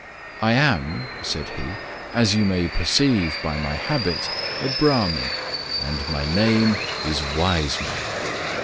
"I am, said he, as you may perceive by my habit, a Bramin, and my name is Wiseman.